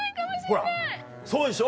ほらそうでしょ。